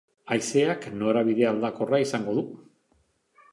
Haizeak norabide aldakorra izango du.